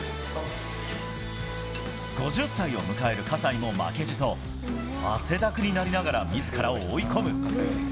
５０歳を迎える葛西も負けじと、汗だくになりながら、みずからを追い込む。